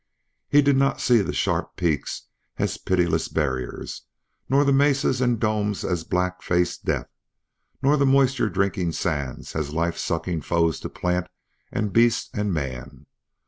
He did not see the sharp peaks as pitiless barriers, nor the mesas and domes as black faced death, nor the moisture drinking sands as life sucking foes to plant and beast and man.